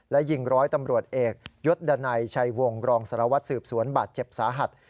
และยิงร้อยตำรวจเอกยศดาในชัยวงรองสลวทสืบสวนบัตรเจ็บสาหัส